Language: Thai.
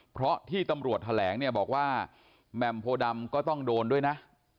เพราะที่ตำรวจแถลงเนี่ยบอกว่าแหม่มโพดำก็ต้องโดนด้วยนะ